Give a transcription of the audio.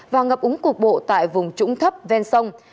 và ngập úng cục bộ tại vùng trũng thấp ven sông